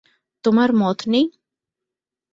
তোমার মত নেই?